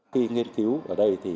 khi nghiên cứu ở đây thì